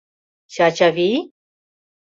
Чачавий?